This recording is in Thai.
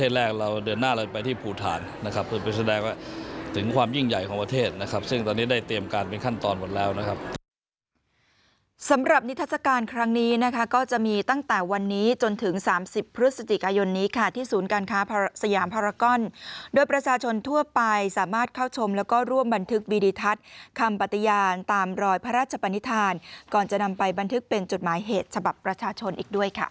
นะครับเป็นแสดงว่าถึงความยิ่งใหญ่ของประเทศนะครับซึ่งตอนนี้ได้เตรียมการเป็นขั้นตอนหมดแล้วนะครับสำหรับนิทรรศการณ์ครั้งนี้นะคะก็จะมีตั้งแต่วันนี้จนถึง๓๐พฤศจิกายนนี้ค่ะที่ศูนย์การค้าสยามภารกรด้วยประชาชนทั่วไปสามารถเข้าชมแล้วก็ร่วมบันทึกบิริทัศน์คำปัตยานตามรอยพระราชปนิ